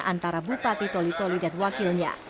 antara bupati toli toli dan wakilnya